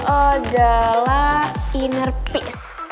adalah inner peace